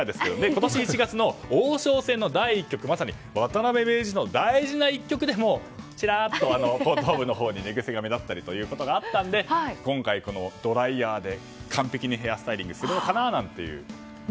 今年１月の王将戦の第１局まさに渡辺名人との大事な一局でもちらっと後頭部に寝癖が目立つということがあったので今回、ドライヤーで完璧にヘアスタイリングをするのかななんていう。